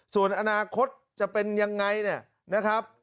ส่วนอนาคตจะเป็นยังไงเนี่ยนะครับ